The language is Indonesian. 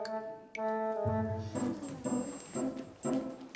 gak mau dipijit sakit